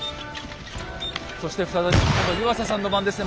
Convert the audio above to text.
そして再び今度は湯浅さんの番ですね。